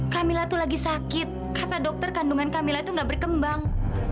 kamila tuh lagi sakit kata dokter kandungan kamila tuh nggak berkembang